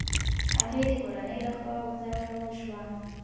هغې د کورنۍ له خوا وځورول شوه.